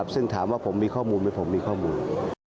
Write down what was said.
ซึ่งถามว่าผมมีข้อมูลไหมผมมีข้อมูล